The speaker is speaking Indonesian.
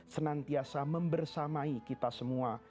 senantiasa membersamai kita semua